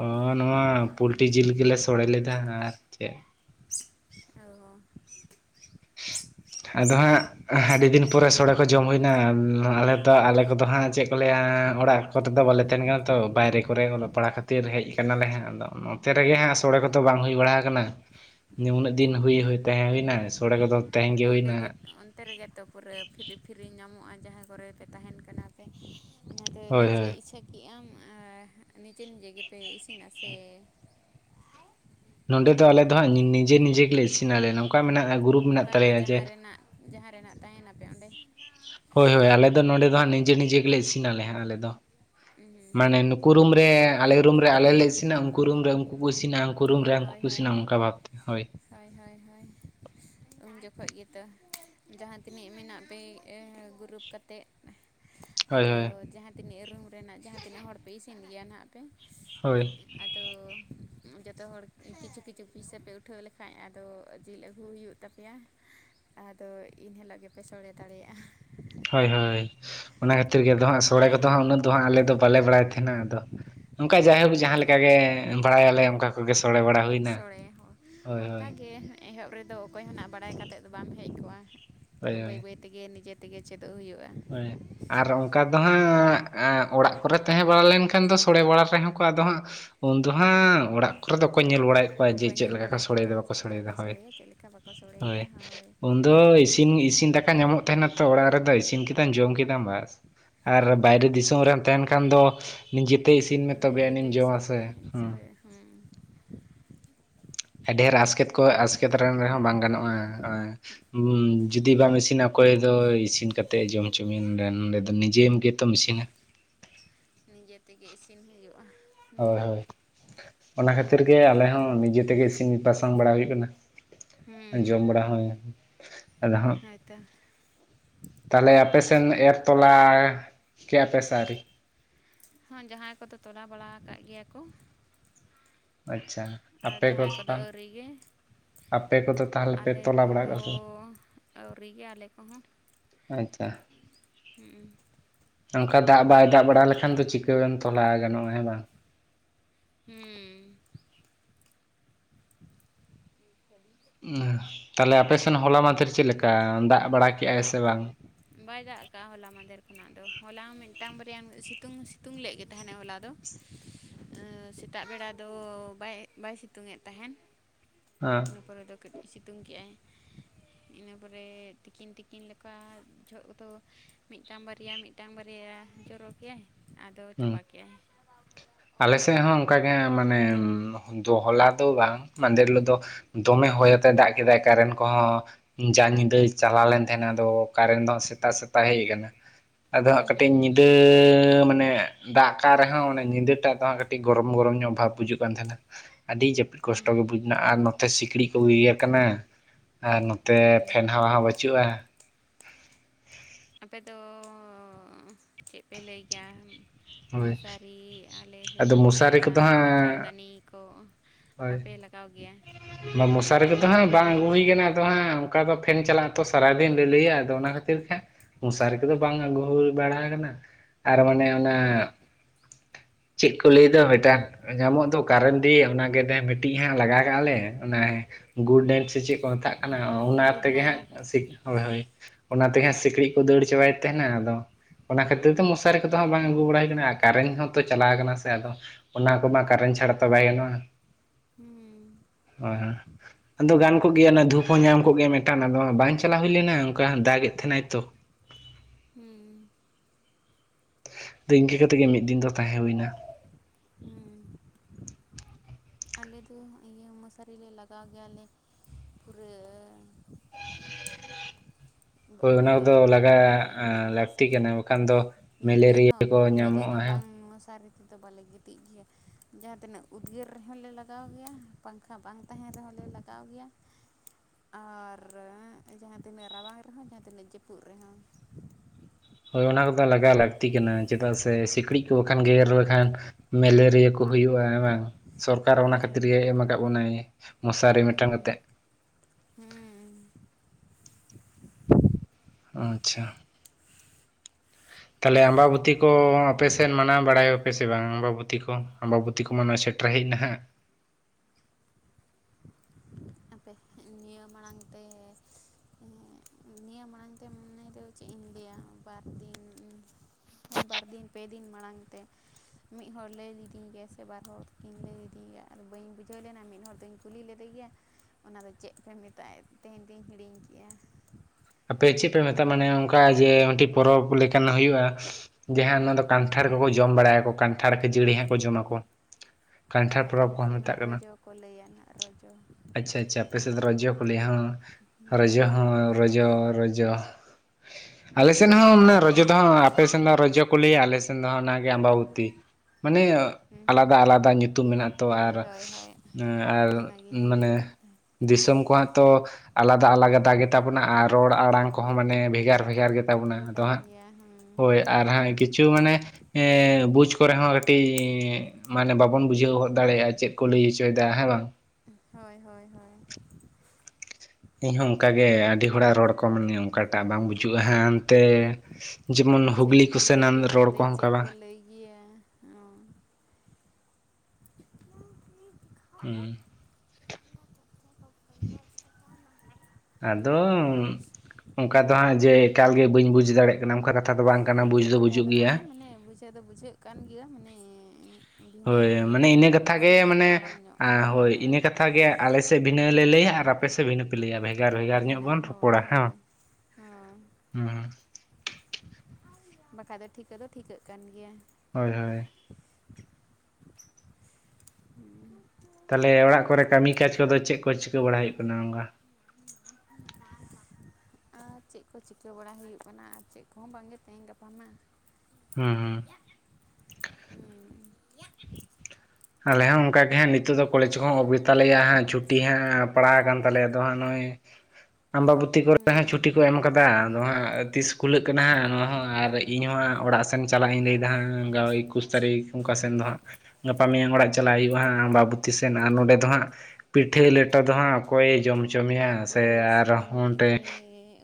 [SPEAKER 2] ᱚ ᱱᱚᱣᱟ ᱯᱳᱞᱴᱤ ᱡᱤᱞ ᱜᱮᱞᱮ ᱥᱳᱲᱮ ᱞᱮᱫᱟ ᱟᱨ ᱪᱮᱫ
[SPEAKER 1] ᱚ ᱦᱚᱸ [inaudible]
[SPEAKER 2] ᱟᱫᱚ ᱦᱟᱸᱜ ᱟᱹᱰᱤ ᱫᱤᱱ ᱯᱚᱨᱮ ᱥᱳᱲᱮ ᱠᱚ ᱡᱚᱢ ᱦᱩᱭᱱᱟ ᱟᱞᱮ ᱫᱚ ᱟᱞᱮ ᱠᱚᱫᱚ ᱦᱟᱸᱜ ᱪᱮᱫ ᱠᱚ ᱞᱟᱹᱭᱟ ᱚᱲᱟᱜ ᱠᱚ ᱨᱮ ᱫᱚ ᱵᱟᱞᱮ ᱛᱟᱦᱮᱱ ᱠᱟᱱᱟ ᱛᱚ ᱵᱟᱭᱨᱮ ᱠᱚᱨᱮ ᱚᱞᱚᱜ ᱯᱟᱲᱟᱜ ᱠᱷᱛᱤᱨ ᱦᱮᱡᱽ ᱠᱟᱱᱟᱞᱮ ᱦᱟᱸᱜ ᱟᱫᱚ ᱱᱚᱛᱮ ᱨᱮᱜᱮ ᱦᱟᱸᱜ ᱥᱚᱲᱮ ᱠᱚᱫᱚ ᱵᱟᱝ ᱦᱩᱭ ᱵᱟᱲᱟ ᱟᱠᱟᱱᱟ ᱡᱮ ᱩᱱᱟᱹᱜ ᱫᱤᱱ ᱦᱩᱭ ᱛᱟᱦᱮᱸ ᱦᱩᱭᱱᱟ ᱥᱚᱲᱮ ᱠᱚᱫᱚ ᱛᱮᱦᱮᱧ ᱜᱮ ᱦᱩᱭᱱᱟ
[SPEAKER 1] ᱚᱸᱰᱮᱜᱮ ᱚᱱᱛᱮ ᱨᱮᱜᱮ ᱛᱚ ᱯᱩᱨᱟᱹ ᱯᱷᱤᱨᱤ ᱯᱷᱤᱨᱤ ᱧᱟᱢᱚᱜᱼᱟ ᱡᱟᱦᱟᱸ ᱠᱚᱨᱮ ᱯᱮ ᱛᱟᱦᱮᱸᱱ ᱠᱟᱱᱟ ᱯᱮ, ᱚᱱᱟ ᱫᱚ
[SPEAKER 2] ᱦᱳᱭ
[SPEAKER 1] ᱱᱤᱡᱮ
[SPEAKER 2] ᱦᱳᱭ
[SPEAKER 1] ᱤᱪᱷᱟᱹ ᱠᱮᱜ ᱟᱢ ᱟᱨ ᱱᱤᱡᱮ ᱱᱤᱡᱮ ᱜᱮᱯᱮ ᱤᱥᱤᱱᱟᱥᱮ
[SPEAKER 2] ᱱᱚᱰᱮ ᱫᱚ ᱟᱞᱮ ᱫᱚ ᱦᱟᱸᱜ ᱱᱤᱡᱮ ᱱᱤᱡᱮ ᱜᱮᱞᱮ ᱤᱥᱤᱱᱟᱞᱮᱭᱟ ᱱᱚᱝᱠᱟ ᱢᱮᱱᱟᱜᱼᱟ ᱜᱩᱨᱩᱯ
[SPEAKER 1] ᱵᱟᱝᱟ ᱡᱟᱦᱟᱸ ᱨᱮᱱᱟᱜ ᱡᱟᱦᱟᱸ ᱨᱮᱱᱟᱜ ᱛᱟᱦᱮᱱᱟᱯᱮ ᱚᱸᱰᱮ
[SPEAKER 2] ᱦᱳᱭ ᱦᱳᱭ ᱟᱞᱮ ᱫᱚ ᱱᱚᱸᱰᱮ ᱫᱚ ᱦᱟᱸᱜ ᱱᱤᱡᱮ ᱱᱤᱡᱮ ᱜᱮᱞᱮ ᱤᱥᱤᱱᱟᱞᱮ ᱦᱟᱸᱜ ᱟᱞᱮ ᱫᱚ
[SPEAKER 1] ᱦᱩᱸ
[SPEAKER 2] ᱢᱟᱱᱮ ᱩᱱᱠᱩ ᱨᱩᱢ ᱨᱮ ᱟᱞᱮ ᱨᱩᱢ ᱨᱮ ᱟᱞᱮᱞᱮ ᱤᱥᱤᱱᱟ ᱩᱱᱠᱩ ᱨᱩᱢ ᱨᱮ ᱩᱱᱠᱩ ᱠᱚ ᱤᱥᱤᱱᱟ ᱩᱱ ᱠᱩᱨᱩᱢ ᱨᱮ ᱠᱚ
[SPEAKER 1] ᱦᱳᱭ ᱦᱳᱭ
[SPEAKER 2] ᱠᱩᱥᱤᱱᱟ
[SPEAKER 1] ᱦᱳᱭ
[SPEAKER 2] ᱚᱱᱠᱟ ᱵᱷᱟᱵᱛᱮ ᱦᱳᱭ
[SPEAKER 1] ᱦᱳᱭ ᱦᱳᱭ ᱦᱳᱭ ᱩᱱ ᱡᱚᱠᱷᱚᱡ ᱜᱮᱛᱚ ᱡᱟᱦᱟᱸ ᱛᱤᱱᱟᱹᱜ ᱢᱮᱱᱟᱜ ᱯᱮ ᱜᱩᱨᱩᱯ ᱠᱟᱛᱮᱫ
[SPEAKER 2] ᱦᱳᱭ
[SPEAKER 1] ᱟᱫᱚ
[SPEAKER 2] ᱦᱳᱭ
[SPEAKER 1] ᱡᱟᱦᱟᱸ ᱛᱤᱱᱟᱹᱜ ᱨᱩᱢ ᱨᱮᱱᱟᱜ ᱡᱟᱦᱟᱸ ᱛᱤᱱᱟᱹᱜ ᱦᱚᱲ ᱯᱮ ᱤᱥᱤᱱ ᱜᱮᱭᱟ ᱱᱟᱸᱜ ᱟᱯᱮ
[SPEAKER 2] ᱦᱳᱭ
[SPEAKER 1] ᱟᱫᱚ ᱡᱚᱛᱚ ᱦᱚᱲ ᱠᱤᱪᱷᱩ ᱠᱤᱪᱷᱩ ᱯᱩᱭᱥᱟᱹ ᱯᱮ ᱩᱴᱷᱟᱹᱣ ᱞᱮᱠᱷᱟᱡᱽ ᱟᱫᱚ ᱡᱤᱞ ᱟᱹᱜᱩ ᱦᱩᱭᱩᱜ ᱛᱟᱯᱮᱭᱟ ᱾ ᱟᱫᱚ ᱮᱱᱦᱤᱞᱳᱜ ᱜᱮᱯᱮ ᱥᱚᱲᱮ ᱫᱟᱲᱮᱭᱟᱜᱼᱟ ᱾
[SPEAKER 2] ᱦᱳᱭ ᱦᱳᱭ ᱚᱱᱟ ᱠᱷᱟᱹᱛᱤᱨ ᱜᱮ ᱦᱟᱸᱜ ᱥᱳᱲᱮ
[SPEAKER 1] ᱦᱩᱸ
[SPEAKER 2] ᱠᱚᱫᱚ ᱦᱟᱸᱜ ᱩᱱᱟᱹᱜ ᱫᱚ ᱟᱞᱮ ᱫᱚ ᱵᱟᱞᱮ ᱵᱟᱲᱟᱭ ᱛᱟᱦᱮᱱᱟ ᱟᱫᱚ, ᱚᱱᱠᱟ ᱡᱟᱭᱦᱳᱠ
[SPEAKER 1] ᱦᱩᱸ
[SPEAKER 2] ᱡᱟᱦᱟᱸ ᱞᱮᱠᱟ ᱜᱮ ᱵᱟᱲᱟᱭᱟᱞᱮ ᱚᱱᱠᱟ ᱠᱚᱜᱮ ᱥᱚᱲᱮ ᱵᱟᱲᱟᱭ
[SPEAKER 1] ᱥᱳᱲᱮ ᱦᱚ ᱚᱱᱠᱟᱜᱮ ᱮᱦᱚᱵ ᱨᱮᱫᱚ ᱚᱠᱚᱭ ᱦᱚᱸᱱᱟᱜ ᱵᱟᱲᱟᱭ ᱠᱟᱛᱮᱫ ᱫᱚ ᱵᱟᱢ ᱦᱮᱡᱽ ᱠᱚᱜᱼᱟ
[SPEAKER 2] ᱦᱳᱭ
[SPEAKER 1] ᱾
[SPEAKER 2] ᱦᱳᱭ
[SPEAKER 1] ᱵᱟᱹᱭ ᱵᱟᱹᱭ ᱛᱮᱜᱮ ᱱᱤᱡᱮ ᱛᱮᱜᱮ ᱪᱮᱫᱚᱜ ᱦᱩᱭᱩᱜ-ᱟ ᱾
[SPEAKER 2] ᱦᱳᱭ ᱟᱨ ᱚᱱᱠᱟ ᱫᱚ ᱦᱟᱸᱜ ᱚᱲᱟᱜ ᱠᱚᱨᱮ ᱛᱟᱦᱮᱸ ᱵᱟᱲᱟ ᱞᱮᱱᱠᱷᱟᱱ ᱫᱚ ᱥᱚᱲᱮ ᱵᱟᱲᱟ ᱨᱮᱦᱚᱸ ᱟᱫᱚ ᱦᱟᱸᱜ ᱩᱱᱫᱚ ᱦᱟᱸᱜ ᱚᱲᱟᱜ ᱠᱚᱨᱮ ᱫᱚ ᱚᱠᱚᱭ ᱧᱮᱞ ᱵᱟᱲᱟᱭᱮᱫ ᱦᱳᱭ ᱡᱮ
[SPEAKER 1] ᱚᱠᱚᱭ
[SPEAKER 2] ᱪᱮᱫ
[SPEAKER 1] ᱧᱮᱞ
[SPEAKER 2] ᱞᱮᱠᱟ
[SPEAKER 1] ᱵᱟᱲᱟᱭ
[SPEAKER 2] ᱥᱚᱲᱮᱫᱟ
[SPEAKER 1] ᱠᱚᱣᱟᱭ
[SPEAKER 2] ᱵᱟᱠᱚ
[SPEAKER 1] ᱪᱮᱫ ᱞᱮᱠᱟ
[SPEAKER 2] ᱥᱚᱲᱮᱫᱟ
[SPEAKER 1] ᱠᱚ
[SPEAKER 2] ᱦᱳᱭ
[SPEAKER 1] ᱥᱚᱲᱮᱭᱟ ᱪᱮᱫ ᱞᱮᱠᱟ ᱵᱟᱠᱚ ᱥᱚᱲᱮ
[SPEAKER 2] ᱦᱳᱭ
[SPEAKER 1] ᱜᱮᱭᱟ
[SPEAKER 2] ᱫᱚ ᱤᱥᱤᱱ ᱤᱥᱤᱱ ᱫᱟᱠᱟ ᱧᱟᱢᱚᱜ ᱛᱟᱦᱮᱸᱱᱟ ᱛᱚ ᱚᱲᱟᱜ ᱨᱮᱫᱚ ᱤᱥᱤᱱ ᱠᱟᱛᱮᱫ ᱡᱚᱢ ᱠᱮᱫᱟᱢ ᱵᱟᱥ ᱟᱨ ᱵᱟᱭᱨᱮ ᱫᱤᱥᱚᱢ ᱨᱮᱢ ᱛᱟᱦᱮᱱ ᱠᱷᱟᱱ ᱫᱚ ᱱᱤᱡᱮ ᱛᱮ ᱤᱥᱤᱱ ᱢᱮ ᱛᱚᱵᱮ
[SPEAKER 1] ᱱᱤᱡᱮᱛᱮ
[SPEAKER 2] ᱟᱹᱱᱤᱡᱢ ᱡᱚᱢ
[SPEAKER 1] ᱤᱥᱤᱱ
[SPEAKER 2] ᱥᱮ
[SPEAKER 1] ᱢᱮ
[SPEAKER 2] ᱦᱮᱸ
[SPEAKER 1] ᱛᱚᱵᱮ ᱦᱮᱸ
[SPEAKER 2] ᱰᱷᱮᱨ ᱟᱥᱠᱮᱛ ᱠᱚ ᱟᱥᱠᱮᱛ ᱨᱮᱦᱚᱸ ᱵᱟᱝ ᱜᱟᱱᱚᱜᱼᱟ ᱾ ᱡᱩᱫᱤ ᱵᱟᱢ ᱤᱥᱤᱱᱟ ᱚᱠᱚᱭ ᱫᱚ ᱤᱥᱤᱱ ᱠᱟᱛᱮᱮᱫ ᱡᱚᱢᱪᱚᱢᱤᱱ ᱱᱚᱰᱮ ᱫᱚ ᱱᱤᱡᱮᱢ ᱜᱮᱛᱚᱢ ᱤᱥᱤᱱᱟ
[SPEAKER 1] ᱱᱤᱡᱮ ᱛᱮᱜᱮ ᱤᱥᱤᱱ ᱦᱩᱭᱩᱜᱼᱟ ᱾
[SPEAKER 2] ᱦᱳᱭ ᱦᱳᱭ ᱚᱱᱟ ᱠᱷᱟᱹᱛᱤᱨ ᱜᱮ ᱟᱞᱮ ᱦᱚᱸ ᱱᱤᱡᱮ ᱛᱮᱜᱮ ᱤᱥᱤᱱ ᱵᱟᱥᱟᱝ ᱵᱟᱲᱟ ᱦᱩᱭᱩᱜ ᱠᱟᱱᱟ ᱾
[SPEAKER 1] ᱦᱩᱸ
[SPEAKER 2] ᱡᱚᱢ ᱵᱟᱲᱟ ᱦᱚᱭᱱᱟ ᱟᱫᱚ ᱦᱟᱸᱜ
[SPEAKER 1] ᱦᱚᱭ ᱛᱚ
[SPEAKER 2] ᱛᱟᱦᱚᱞᱮ ᱟᱯᱮᱥᱮᱱ ᱮᱨ ᱛᱚᱞᱟ ᱠᱮᱜ-ᱟ ᱯᱮᱥᱮ ᱟᱹᱣᱨᱤ?
[SPEAKER 1] ᱦᱟᱸ ᱡᱟᱦᱟᱸᱭ ᱠᱚᱫᱚ ᱛᱚᱞᱟ ᱵᱟᱲᱟ ᱠᱟᱜ ᱜᱮᱭᱟ ᱠᱚ ᱾
[SPEAKER 2] ᱟᱪᱪᱷᱟ
[SPEAKER 1] ᱟᱨ
[SPEAKER 2] ᱟᱯᱮ ᱠᱚ
[SPEAKER 1] ᱡᱟᱦᱟᱸᱭ ᱠᱚᱫᱚ ᱟᱹᱣᱨᱤᱜᱮ
[SPEAKER 2] ᱟᱯᱮ ᱠᱚᱫᱚ ᱛᱟᱦᱚᱞᱮ ᱯᱮ
[SPEAKER 1] ᱟᱞᱮ
[SPEAKER 2] ᱛᱚᱞᱟ
[SPEAKER 1] ᱠᱚᱫᱚ
[SPEAKER 2] ᱵᱟᱲᱟ ᱠᱟᱜᱼᱟ ᱥᱮ
[SPEAKER 1] ᱟᱹᱣᱨᱤ ᱜᱮ ᱟᱞᱮ ᱠᱚᱦᱚᱸ
[SPEAKER 2] ᱟᱪᱪᱷᱟ
[SPEAKER 1] ᱦᱩᱜ-ᱩ
[SPEAKER 2] ᱱᱚᱝᱠᱟ ᱫᱟᱜ ᱵᱟᱭ ᱫᱟᱜ ᱵᱟᱲᱟ ᱞᱮᱠᱷᱟᱱ ᱫᱚ ᱪᱤᱠᱟᱹᱢ ᱛᱚᱞᱟ ᱜᱟᱱᱚᱜ-ᱟ ᱦᱮᱸ ᱵᱟᱝ
[SPEAKER 1] ᱦᱩᱸᱻ ᱩᱻ [unintelligible]
[SPEAKER 2] ᱛᱟᱦᱞᱮ ᱟᱯᱮᱥᱮᱱ ᱦᱚᱞᱟ ᱢᱟᱫᱷᱮᱨ ᱨᱮ ᱪᱮᱫ ᱞᱮᱠᱟ ᱫᱟᱜ ᱵᱟᱲᱟ ᱠᱮᱜ-ᱟᱭ ᱥᱮ ᱵᱟᱝ?
[SPEAKER 1] ᱵᱟᱭ ᱫᱟᱜ ᱠᱟᱜ-ᱟ ᱦᱚᱞᱟ ᱢᱟᱫᱷᱮᱨ ᱠᱷᱚᱱᱟᱜ ᱫᱚ ᱦᱚᱞᱟ ᱦᱚᱸ ᱢᱤᱫᱴᱟᱝ ᱵᱟᱨᱭᱟ ᱥᱤᱛᱩᱝ ᱥᱤᱛᱩᱝ ᱞᱮᱫ ᱜᱮ ᱛᱟᱦᱮᱸᱱᱟ ᱦᱚᱞᱟ ᱫᱚ ᱟᱹ ᱥᱮᱛᱟᱜ ᱵᱮᱲᱟ ᱫᱚ ᱵᱟᱭ ᱵᱟᱭ ᱥᱤᱛᱩᱝᱫ ᱛᱟᱦᱮᱸᱱ
[SPEAKER 2] ᱦᱮᱸ
[SPEAKER 1] ᱤᱱᱟᱹ ᱯᱚᱨᱮ ᱫᱚ ᱠᱟᱹᱴ ᱥᱤᱛᱩᱝ ᱠᱮᱜ-ᱟᱭ ᱤᱱᱟᱹ ᱯᱚᱨᱮ ᱛᱤᱠᱤᱱ ᱛᱤᱠᱤᱱ ᱞᱮᱠᱟ ᱚᱠᱟ ᱡᱚᱦᱚᱜ ᱫᱚ ᱢᱤᱫᱴᱟᱝ ᱵᱟᱨᱭᱟ ᱢᱤᱫᱴᱟᱝ ᱵᱟᱨᱭᱟ ᱡᱚᱨᱚ ᱠᱮ-ᱟᱭ ᱟᱫᱚ
[SPEAKER 2] ᱦᱩᱸ
[SPEAKER 1] ᱪᱟᱵᱟ ᱠᱮᱜ-ᱟᱭ
[SPEAKER 2] ᱟᱞᱮ ᱥᱮᱫ ᱦᱚᱸ ᱚᱝᱠᱟᱜᱮ ᱢᱟᱱᱮ ᱫᱚᱦᱚᱞᱟ ᱫᱚ ᱵᱟᱝ ᱢᱟᱫᱷᱮᱨ ᱦᱤᱞᱳᱜ ᱫᱚ ᱫᱚᱢᱮ ᱦᱚᱭᱟᱛᱮ ᱫᱟᱜ ᱠᱮᱫᱟᱭ ᱠᱟᱨᱮᱱ ᱠᱚᱦᱚᱸ ᱡᱟ ᱧᱤᱫᱟᱹᱭ ᱪᱟᱞᱟᱣ ᱞᱮᱱ ᱛᱟᱦᱮᱸᱱᱟ ᱟᱫᱚ ᱠᱟᱨᱮᱱ ᱫᱚ ᱥᱮᱛᱟᱜ ᱥᱮᱛᱟᱜ ᱦᱮᱡ ᱟᱠᱟᱱᱟ ᱟᱫᱚ ᱦᱟᱸᱜ ᱠᱟᱹᱴᱤᱡ
[SPEAKER 1] ᱩᱸᱦᱩᱸ
[SPEAKER 2] ᱧᱤᱫᱟᱹᱻ ᱢᱟᱱᱮ ᱫᱟᱜ ᱠᱟᱜ ᱨᱮᱦᱚᱸ ᱚᱱᱮ ᱧᱤᱫᱟᱹ ᱮᱴᱟᱜ ᱫᱚ ᱦᱟᱸᱦ ᱠᱟᱹᱴᱤᱡ ᱜᱚᱨᱚᱢ ᱜᱚᱨᱚᱢ ᱧᱚᱜ ᱵᱷᱟᱵ ᱵᱩᱡᱩᱜ ᱠᱟᱱ ᱛᱟᱸᱦᱮᱱᱟ ᱟᱹᱰᱤ ᱡᱟᱹᱯᱤᱫ ᱠᱚᱥᱴᱚ ᱜᱮ
[SPEAKER 1] ᱩᱸᱦᱩᱸ
[SPEAKER 2] ᱵᱩᱡᱟᱹᱜ ᱱᱟᱜ-ᱟ ᱱᱚᱛᱮ ᱥᱤᱠᱲᱤᱡ ᱠᱚ ᱜᱮᱜᱮᱨ ᱠᱟᱱᱟ ᱟᱨ ᱱᱚᱛᱮ
[SPEAKER 1] ᱦᱩᱸ
[SPEAKER 2] ᱯᱷᱮᱱ ᱦᱟᱣᱟ ᱦᱚᱸ ᱵᱟᱹᱪᱩᱜ-ᱟ
[SPEAKER 1] ᱟᱯᱮᱫᱚ ᱪᱮᱫ ᱯᱮ ᱞᱟᱹᱭ ᱜᱮᱭᱟ
[SPEAKER 2] ᱦᱳᱭ
[SPEAKER 1] ᱢᱚᱥᱟᱨᱤ ᱟᱞᱮ ᱥᱮᱜ
[SPEAKER 2] ᱟᱫᱚ
[SPEAKER 1] ᱢᱟᱠᱚ
[SPEAKER 2] ᱢᱚᱥᱟᱨᱤ
[SPEAKER 1] ᱞᱟᱹᱭᱟ
[SPEAKER 2] ᱠᱚᱫᱚ ᱦᱟᱸᱜ
[SPEAKER 1] ᱢᱟᱪᱷᱟᱲᱫᱟᱹᱱᱤ ᱠᱚ
[SPEAKER 2] ᱦᱳᱭ
[SPEAKER 1] ᱵᱟᱯᱮ ᱞᱟᱜᱟᱣ ᱜᱮᱭᱟ
[SPEAKER 2] ᱢᱚᱥᱟᱨᱤ ᱠᱚᱫᱚ ᱦᱟᱸᱜ ᱵᱟᱝ ᱟᱹᱜᱩ ᱦᱩᱭ ᱠᱟᱱᱟ ᱟᱫᱚ ᱦᱟᱸᱜ ᱚᱱᱠᱟ ᱫᱚ ᱯᱷᱮᱱ ᱪᱟᱞᱟᱜ ᱟᱛᱚ ᱥᱟᱨᱟᱫᱤᱱ ᱞᱟᱹᱭᱟ ᱟᱫᱚ ᱚᱱᱟ ᱠᱷᱟᱹᱛᱤᱨ ᱠᱷᱟᱹᱛᱤᱨ ᱠᱷᱟᱱ ᱢᱚᱥᱟᱨᱤ ᱠᱚᱫᱚ ᱵᱟᱝ ᱟᱹᱜᱩ ᱦᱩᱭ ᱵᱟᱲᱟ ᱟᱠᱟᱱᱟ ᱟᱨ ᱵᱟᱝ ᱚᱱᱟ ᱪᱮᱫ ᱠᱚ ᱞᱟᱹᱭᱫᱚ ᱢᱤᱫᱴᱟᱝ ᱧᱟᱢᱚᱜ ᱫᱚ ᱠᱟᱨᱮᱱ ᱫᱤᱭᱮ ᱚᱱᱟᱜᱮ ᱠᱟᱹᱴᱤᱡ ᱦᱟᱸᱜ ᱞᱟᱜᱟ ᱠᱟᱜ-ᱟ ᱞᱮ ᱚᱱᱟ ᱜᱩᱰ ᱱᱟᱭᱤᱴ ᱥᱮ ᱪᱮᱫ ᱠᱚ ᱢᱮᱛᱟᱜ ᱚᱱᱟ
[SPEAKER 1] ᱜᱩᱰ
[SPEAKER 2] ᱛᱮᱜᱮ ᱦᱟᱸᱜ
[SPEAKER 1] ᱱᱟᱭᱤᱴ
[SPEAKER 2] ᱦᱳᱭ ᱦᱚᱭ ᱚᱱᱟ ᱛᱮᱜᱮ ᱦᱟᱸᱜ ᱥᱤᱠᱬᱤᱡ ᱠᱚ ᱫᱟᱹᱲ ᱪᱟᱵᱟᱭ ᱛᱟᱦᱮᱱᱟ ᱟᱫᱚ ᱚᱱᱟ ᱠᱷᱟᱹᱛᱤᱨ ᱛᱮ ᱢᱚᱥᱟᱨᱤ ᱠᱚᱫᱚ ᱦᱟᱸᱜ ᱵᱟᱝ ᱟᱹᱜᱩ ᱵᱟᱲᱟ ᱠᱟᱱᱟ ᱠᱟᱨᱮᱱ ᱦᱚᱸᱛᱚ ᱪᱟᱞᱟᱣ ᱠᱟᱱᱟ ᱥᱮ ᱟᱫᱚ ᱚᱱᱟ ᱠᱚᱢᱟ ᱠᱟᱨᱮᱱ ᱪᱷᱟᱲᱟ ᱛᱚ ᱵᱟᱭ ᱜᱟᱱᱚᱜ-ᱟ᱾
[SPEAKER 1] ᱦᱩᱸ
[SPEAKER 2] ᱦᱳᱭ ᱦᱚᱭ ᱟᱫᱚ ᱜᱟᱱ ᱠᱚᱜ ᱜᱮᱭᱟ ᱚᱱᱟ ᱫᱷᱩᱯ ᱦᱚᱸ ᱧᱟᱢ ᱠᱚᱜ ᱜᱮᱭᱟ ᱢᱤᱫᱴᱟᱱ ᱟᱫᱚ ᱵᱟᱝ ᱪᱟᱞᱟᱣ ᱦᱩᱭ ᱞᱮᱱᱟ ᱚᱱᱠᱟ ᱫᱟᱜᱮᱫ ᱛᱟᱦᱮᱱᱟᱭ ᱛᱚ
[SPEAKER 1] ᱦᱩᱸ
[SPEAKER 2] ᱟᱫᱚ ᱤᱱᱠᱟᱹ ᱠᱟᱛᱮᱫ ᱜᱮ ᱢᱤᱫ ᱫᱤᱱ ᱫᱚ ᱛᱟᱦᱮᱸ ᱦᱩᱭᱱᱟ ᱾
[SPEAKER 1] ᱦᱩᱸ ᱟᱞᱮ ᱫᱚ ᱤᱭᱟᱹ ᱢᱚᱥᱟᱨᱤᱞᱮ ᱞᱟᱜᱟᱣ ᱜᱮᱭᱟᱞᱮ ᱯᱩᱨᱟᱹ
[SPEAKER 2] ᱦᱳᱭ ᱚᱱᱟ
[SPEAKER 1] ᱤᱭᱟᱹᱜᱮ
[SPEAKER 2] ᱠᱚᱫᱚ
[SPEAKER 1] ᱵᱟᱨᱚ
[SPEAKER 2] ᱞᱟᱜᱟ
[SPEAKER 1] ᱢᱟᱹᱭᱱᱟᱹ ᱵᱟᱨᱚ ᱢᱟᱥ
[SPEAKER 2] ᱞᱟᱹᱠᱛᱤ
[SPEAKER 1] ᱜᱮ
[SPEAKER 2] ᱠᱟᱱᱟ ᱵᱟᱠᱷᱟᱱ ᱫᱚ
[SPEAKER 1] ᱢᱤᱫ ᱫᱤᱱ
[SPEAKER 2] ᱢᱮᱞᱮᱨᱤᱭᱟᱹ
[SPEAKER 1] ᱦᱚᱸ
[SPEAKER 2] ᱠᱚ
[SPEAKER 1] ᱢᱤᱫ ᱫᱤᱱ
[SPEAKER 2] ᱧᱟᱢᱚᱜᱼᱟ
[SPEAKER 1] ᱦᱚᱸ
[SPEAKER 2] ᱦᱮᱸ
[SPEAKER 1] ᱵᱟᱝ ᱢᱚᱥᱟᱨᱤ ᱫᱚ ᱵᱟᱞᱮ ᱜᱤᱛᱤᱡ ᱜᱮᱭᱟ ᱡᱟᱦᱟᱸ ᱛᱤᱱᱟᱹᱜ ᱩᱫᱽᱜᱟᱹᱨ ᱨᱮᱦᱚᱸ ᱞᱮ ᱞᱟᱜᱟᱣ ᱜᱮᱭᱟ᱾ ᱠᱷᱟ ᱵᱟᱝ ᱛᱟᱦᱮᱱ ᱨᱮᱦᱚᱸ ᱞᱮ ᱞᱟᱜᱟᱣ ᱜᱮᱭᱟ
[SPEAKER 2] [inaudible]
[SPEAKER 1] ᱟᱨ ᱡᱟᱦᱟᱸ ᱛᱤᱱᱟᱹᱜ ᱨᱟᱵᱟᱝ ᱨᱮᱦᱚᱸ ᱡᱟᱦᱟᱸ ᱛᱤᱱᱟᱹᱜ ᱡᱟᱹᱯᱩᱫ ᱨᱮᱦᱚᱸ
[SPEAKER 2] ᱦᱳᱭ ᱚᱱᱟ ᱠᱚᱫᱚ ᱞᱟᱜᱟᱣ ᱞᱟᱹᱠᱛᱤ ᱠᱟᱱᱟ ᱾ ᱪᱮᱫᱟᱜ ᱥᱮ ᱥᱤᱠᱲᱤᱡ ᱠᱚ ᱵᱟᱠᱷᱟᱱ ᱜᱮᱨ ᱞᱮᱠᱷᱟᱱ ᱢᱮᱞᱮᱨᱤᱭᱟ ᱠᱚ ᱠᱚ ᱦᱩᱭᱩᱜᱼᱟ ᱵᱟᱝ ᱥᱚᱨᱠᱟᱨ ᱚᱱᱟ ᱠᱷᱟᱹᱛᱤᱨ
[SPEAKER 1] ᱦᱮᱸ
[SPEAKER 2] ᱜᱮ ᱮᱢ ᱟᱠᱟᱫ ᱵᱚᱱᱟᱭ ᱢᱚᱥᱟᱨᱤ ᱢᱤᱫᱴᱟᱝ ᱠᱟᱛᱮᱫ
[SPEAKER 1] ᱦᱩᱸᱻ
[SPEAKER 2] ᱟᱪᱪᱷᱟ ᱛᱟᱦᱚᱞᱮ ᱟᱢᱵᱟᱵᱚᱛᱤ ᱠᱚ ᱟᱯᱮᱥᱮᱫ ᱢᱟᱱᱟᱣ ᱵᱟᱲᱟᱭᱟᱯᱮ ᱥᱮ ᱵᱟᱝ ᱟᱢᱵᱟᱵᱩᱛᱤ ᱠᱚ ᱟᱢᱵᱟᱵᱩᱛᱤ? ᱟᱢᱵᱟᱵᱚᱛᱤ ᱠᱚ ᱢᱟᱱᱟ ᱥᱮᱴᱮᱨ ᱦᱮᱡ ᱮᱱᱟ ᱱᱟᱦᱟᱜ
[SPEAKER 1] ᱟᱯᱮ ᱱᱤᱭᱟᱹ ᱢᱟᱲᱟᱝ ᱛᱮ ᱱᱤᱭᱟᱹ ᱢᱟᱲᱟᱝ ᱛᱮ ᱢᱟᱱᱮ ᱫᱚ ᱪᱮᱫ ᱤᱧ ᱞᱟᱹᱭᱟ ᱵᱟᱨ ᱫᱤᱱ ᱵᱟᱨ ᱫᱤᱱ ᱯᱮ ᱫᱤᱱ ᱢᱟᱲᱟᱝ ᱛᱮ ᱢᱤᱫ ᱦᱚᱲ ᱞᱮ ᱞᱤᱫᱤᱧ ᱜᱮ ᱥᱮ ᱵᱟᱨ ᱦᱚᱲ ᱠᱤᱱ ᱞᱮ ᱞᱤᱫᱤᱭᱮᱭᱟ, ᱟᱫᱚ ᱵᱟᱹᱧ ᱵᱩᱡᱷᱟᱹᱣ ᱞᱮᱱᱟ ᱢᱤᱫ ᱦᱚᱲ ᱫᱚᱧ ᱠᱩᱞᱤ ᱞᱮᱫᱮ ᱜᱮᱭᱟ ᱚᱱᱟᱫᱚ ᱪᱮᱫ ᱯᱮ ᱢᱮᱛᱟᱭ ᱟ ᱛᱮᱦᱮᱧ ᱫᱩᱧ ᱦᱤᱲᱤᱧ ᱠᱮᱜᱼᱟ ᱾
[SPEAKER 2] ᱟᱯᱮ ᱪᱮᱫ ᱯᱮ ᱢᱮᱛᱟ ᱢᱟᱱᱮ ᱚᱱᱠᱟ ᱡᱮ ᱯᱚᱨᱚᱵᱽ ᱞᱮᱠᱟᱱᱟᱜ ᱦᱩᱭᱩᱜᱼᱟ ᱡᱟᱦᱟᱸ ᱚᱱᱟ ᱫᱚ ᱠᱟᱱᱴᱷᱟᱲ ᱠᱚᱠᱚ ᱡᱚᱢ ᱵᱟᱲᱟᱭᱟᱠᱚ ᱠᱟᱱᱴᱷᱟᱲ ᱠᱷᱟᱹ ᱡᱟᱹᱲᱤ ᱦᱟᱜ ᱠᱚ ᱡᱚᱢᱟ ᱠᱚ
[SPEAKER 1] ᱦᱳᱭ ᱦᱳᱭ ᱟᱞᱮ ᱥᱮᱫ ᱢᱟ ᱨᱚᱡᱚ ᱠᱚ ᱞᱟᱹᱭᱟ ᱱᱟᱦᱟᱜ ᱨᱚᱡᱚ ᱾
[SPEAKER 2] ᱟᱪᱪᱷᱟ ᱟᱪᱪᱷᱟ ᱟᱯᱮᱥᱮᱫ ᱨᱚᱡᱚ ᱠᱚ ᱞᱟᱹᱭᱟ ᱦᱚᱸ ᱾
[SPEAKER 1] ᱦᱮᱸ
[SPEAKER 2] ᱨᱚᱡᱚ ᱦᱚᱸ ᱨᱚᱡᱚ ᱨᱚᱡᱚ ᱾ ᱟᱞᱮ ᱥᱮᱫ ᱦᱚᱸ ᱢᱟᱱᱮ ᱨᱚᱡᱚ ᱫᱚ ᱦᱟᱸᱜ ᱟᱯᱮ ᱥᱮᱱ ᱫᱚ ᱨᱚᱡᱚ ᱠᱚ ᱞᱟᱹᱭᱟ ᱟᱞᱮᱥᱮᱫ ᱚᱱᱟ ᱜᱮ ᱟᱢᱵᱟᱵᱚᱛᱤ ᱢᱟᱱᱮ
[SPEAKER 1] ᱦᱮᱸ ᱦᱮᱸ
[SPEAKER 2] ᱟᱞᱟᱫᱟ ᱟᱞᱟᱫᱟ ᱧᱩᱛᱩᱢ ᱢᱮᱱᱟᱜ ᱛᱚ
[SPEAKER 1] ᱦᱳᱭ
[SPEAKER 2] ᱟᱨ
[SPEAKER 1] ᱦᱳᱭ ᱦᱳᱭ
[SPEAKER 2] ᱟᱨ
[SPEAKER 1] ᱚᱱᱟᱜᱤᱧ
[SPEAKER 2] ᱢᱟᱱᱮ
[SPEAKER 1] ᱦᱤᱲᱤᱧ ᱞᱮᱫ ᱛᱟᱦᱮᱸᱫ
[SPEAKER 2] ᱫᱤᱥᱚᱢ ᱠᱚ ᱦᱟᱸᱜ ᱛᱚ ᱟᱞᱟᱫᱟ ᱟᱞᱟᱫᱟ ᱜᱮᱛᱟᱵᱚᱱᱟ ᱟᱨ
[SPEAKER 1] ᱟᱞᱚ
[SPEAKER 2] ᱨᱚᱲ
[SPEAKER 1] ᱛᱮᱜᱮ
[SPEAKER 2] ᱟᱲᱟᱝ
[SPEAKER 1] ᱛᱟᱵᱚᱱᱟ
[SPEAKER 2] ᱠᱚᱦᱚᱸ ᱢᱟᱱᱮ ᱵᱷᱮᱜᱟᱨ ᱵᱷᱮᱜᱟᱨ ᱜᱮᱛᱟᱵᱚᱱᱟ ᱾ ᱟᱫᱚ
[SPEAKER 1] ᱵᱷᱮᱜᱟᱨ
[SPEAKER 2] ᱦᱟᱸᱜ
[SPEAKER 1] ᱜᱮᱭᱟ
[SPEAKER 2] ᱦᱳᱭ ᱟᱨ ᱦᱟᱜ ᱠᱤᱪᱷᱩ ᱢᱟᱱᱮ ᱮ ᱵᱩᱡᱽ ᱠᱚᱨᱮ ᱦᱚᱸ ᱠᱟᱹᱴᱤᱡ ᱢᱟᱱᱮ ᱵᱟᱵᱚᱱ ᱵᱩᱡᱷᱟᱹᱣ ᱦᱚᱚᱫ ᱫᱟᱲᱮᱭᱟᱜᱼᱟ ᱪᱮᱫ ᱠᱚ ᱞᱟᱹᱭ ᱦᱚᱪᱚᱭᱮᱫᱟ ᱦᱮᱸ ᱵᱟᱝ?
[SPEAKER 1] ᱦᱳᱭ ᱦᱳᱭ ᱦᱳᱭ
[SPEAKER 2] ᱤᱧᱦᱚᱸ ᱚᱱᱠᱟᱜᱮ ᱟᱹᱰᱤ ᱦᱚᱲᱟᱜ ᱨᱚᱲ ᱠᱚ ᱢᱟᱱᱮ ᱚᱱᱠᱟᱴᱟᱜ ᱵᱟᱝ ᱵᱩᱡᱩᱜᱼᱟ ᱦᱟᱜ ᱚᱱᱛᱮ
[SPEAKER 1] ᱪᱮᱫ ᱠᱚ ᱞᱟᱹᱭ ᱜᱮᱭᱟ ᱱᱚᱛᱮ ᱪᱮᱫ ᱠᱚ
[SPEAKER 2] ᱵᱟᱝ
[SPEAKER 1] ᱞᱟᱹᱭ ᱜᱮᱭᱟ ᱚ
[SPEAKER 2] ᱦᱩᱸ
[SPEAKER 1] [unintelligible]
[SPEAKER 2] ᱟᱫᱚ ᱚᱱᱠᱟ ᱫᱚ ᱦᱟᱸᱜ ᱡᱮ ᱮᱠᱟᱞᱜᱮ ᱵᱟᱹᱧ ᱵᱩᱡ ᱫᱟᱲᱮᱜ ᱾ ᱚᱱᱠᱟ ᱠᱟᱛᱷᱟ ᱫᱚ ᱵᱟᱝ ᱠᱟᱱᱟ ᱵᱩᱡ ᱫᱚ ᱵᱩᱡᱩᱜ ᱜᱮᱭᱟ ᱾
[SPEAKER 1] ᱛᱮᱫ ᱫᱚ ᱵᱩᱡᱷᱟᱹᱜ ᱠᱟᱱ ᱜᱮᱭᱟ ᱢᱟᱱᱮ ᱵᱷᱤᱱᱟᱹ
[SPEAKER 2] ᱦᱳᱭ ᱢᱟᱱᱮ ᱤᱱᱟᱹ ᱠᱟᱛᱷᱟ ᱜᱮ
[SPEAKER 1] ᱵᱷᱤᱱᱟᱹ
[SPEAKER 2] ᱢᱟᱱᱮ
[SPEAKER 1] ᱟᱲᱟᱝ ᱧᱚᱜ
[SPEAKER 2] ᱦᱳᱭ ᱮᱸ ᱤᱱᱟᱹ ᱠᱟᱛᱷᱟ ᱠᱟᱛᱷᱟᱜᱮ ᱟᱞᱮ ᱥᱮᱫ ᱵᱷᱤᱱᱟᱹ ᱞᱮ ᱞᱭᱟ ᱟᱨ ᱟᱯᱮ ᱟᱯᱮᱥᱮ ᱵᱷᱤᱱᱟᱹᱯᱮ ᱞᱟᱹᱭᱟ, ᱵᱷᱮᱜᱟᱨ ᱵᱷᱮᱜᱟᱨ ᱧᱚᱜ
[SPEAKER 1] ᱵᱷᱤᱱᱟᱹ
[SPEAKER 2] ᱵᱚᱱ
[SPEAKER 1] ᱦᱳᱭ
[SPEAKER 2] ᱨᱚᱯᱚᱲᱟ ᱦᱮᱸ
[SPEAKER 1] ᱦᱳᱭ ᱦᱳᱭ ᱵᱟᱠᱷᱟᱡ ᱫᱚ ᱴᱷᱤᱠᱟᱹ ᱫᱚ ᱴᱷᱤᱠᱟᱹᱜ ᱠᱟᱱ ᱜᱮᱭᱟ
[SPEAKER 2] ᱦᱳᱭ ᱦᱳᱭ ᱛᱟᱦᱚᱞᱮ ᱚᱲᱟᱜ ᱠᱚᱨᱮ ᱠᱟᱹᱢᱤ ᱠᱟᱡᱽ ᱠᱚᱫᱚ ᱪᱮᱜ ᱠᱚ ᱪᱤᱠᱟᱹ ᱵᱟᱲᱟᱭ ᱦᱩᱭᱩᱜ ᱠᱟᱱᱟ ᱚᱱᱠᱟ [unintelligible]
[SPEAKER 1] ᱟᱨ ᱪᱮᱜ ᱠᱚ ᱪᱤᱠᱟᱹ ᱵᱟᱲᱟ ᱦᱩᱭᱩᱜ ᱠᱟᱱᱟ ᱟᱨ ᱪᱮᱫ ᱠᱚᱦᱚᱸ ᱵᱟᱝᱜᱮ ᱛᱮᱦᱧ ᱜᱟᱯᱟ ᱢᱟ
[SPEAKER 2] ᱦᱮᱸ ᱦᱮᱸ
[SPEAKER 1] ᱦᱩᱸ
[SPEAKER 2] [inaudible] ᱟᱞᱮ ᱦᱚᱸ ᱚᱱᱠᱟᱜ ᱜᱮ ᱦᱟᱸᱜ ᱱᱤᱛᱚᱜ ᱫᱚ ᱠᱚᱞᱮᱡᱽ ᱠᱚᱦᱚᱸ ᱚᱯ ᱜᱮ ᱛᱟᱞᱮᱭᱟ ᱦᱟᱜ ᱾ ᱪᱷᱩᱴᱤ ᱦᱟᱸᱜ ᱯᱟᱲᱟᱣ ᱟᱠᱟᱱ ᱛᱟᱞᱮᱭᱟ ᱦᱟᱸᱜ ᱱᱚᱜᱼᱚᱭ ᱟᱢᱵᱟᱵᱚᱛᱤ ᱠᱚᱨᱮ
[SPEAKER 1] ᱦᱩᱸ
[SPEAKER 2] ᱪᱷᱩᱴᱤ ᱠᱚ ᱮᱢ ᱠᱟᱫᱟ ᱟᱫᱚ ᱦᱟᱸᱜ ᱛᱤᱥ ᱠᱷᱩᱞᱟᱹᱜ ᱠᱟᱱᱟ ᱦᱟᱸᱜ ᱱᱚᱣᱟ ᱦᱚᱸ ᱾ ᱟᱨ ᱤᱧᱦ ᱦᱚ ᱦᱟᱸᱜ ᱚᱲᱟᱜ ᱥᱮᱱ ᱪᱟᱞᱟᱜ ᱤᱧ ᱞᱟᱹᱭ ᱫᱟ ᱦᱟᱸᱜ ᱜᱟᱣ ᱮᱠᱩᱥ ᱛᱟᱹᱨᱤᱠᱷ ᱚᱱᱠᱟ ᱥᱮᱱ ᱫᱚ ᱦᱟᱸᱜ ᱜᱟᱯᱟ ᱢᱮᱭᱟᱝ ᱚᱲᱟᱜ ᱪᱟᱞᱟᱜ ᱦᱩᱭᱩᱜᱼᱟ ᱦᱟᱸᱜ ᱟᱸᱵᱟᱵᱩᱛᱤ ᱥᱮᱱ ᱾ ᱟᱨ ᱱᱚᱰᱮ ᱫᱚ ᱦᱟᱸᱜ ᱯᱤᱴᱷᱟᱹᱭ ᱞᱮᱴᱚ ᱫᱚ ᱦᱟᱸᱜ ᱚᱠᱚᱭᱮ ᱡᱚᱢ ᱪᱚ ᱦᱚᱪᱚ ᱢᱮᱭᱟ ᱥᱮ
[SPEAKER 1] ᱚᱠᱚᱭᱮ
[SPEAKER 2] ᱟᱨᱦᱚᱸ
[SPEAKER 1] ᱤᱥᱤᱱᱟᱢᱟ
[SPEAKER 2] ᱚᱸᱰᱮ
[SPEAKER 1] ᱚᱠᱚᱭᱮ